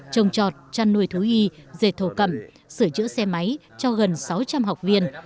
trồng trọt chăn nuôi thú y dệt thổ cẩm sửa chữa xe máy cho gần sáu trăm linh học viên